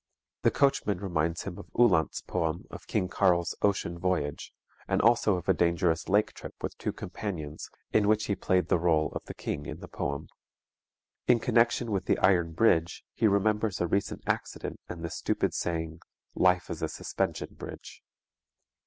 The coachman reminds him of Uhland's poem of King Karl's ocean voyage and also of a dangerous lake trip with two companions in which he played the role of the king in the poem. In connection with the iron bridge he remembers a recent accident and the stupid saying "Life is a suspension bridge."